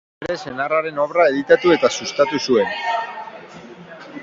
Bere senarraren obra editatu eta sustatu zuen.